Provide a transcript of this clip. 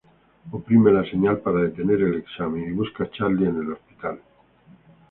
Oprime la señal para detener el examen y busca a Charlie en el hospital.